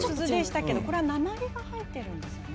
これは鉛が入ってるんですね。